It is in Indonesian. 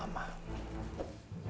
apa yang afif menurut